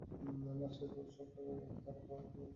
আজকে তোর সব টাকা গেলো, তার উপর ওই ছেলের সাথে ঝগড়া।